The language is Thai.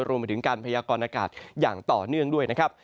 รวมไปถึงการพยากรณากาศอย่างต่อเนื่องด้วยนะครับ